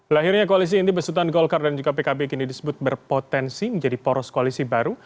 lahirnya koalisi inti besutan golkar dan juga pkb kini disebut berpotensi menjadi poros koalisi baru